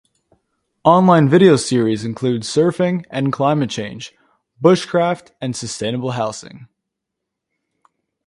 Online Video series include Surfing and climate change, Bushcraft and sustainable housing.